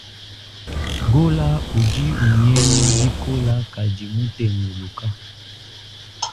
Gola udi unyema bikola kadi mutenguluka.